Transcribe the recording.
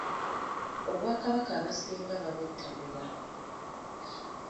Obwakabaka abasinga babwettanira